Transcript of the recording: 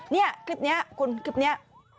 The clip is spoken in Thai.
นี่คลิปนี้คุณคลิปนี้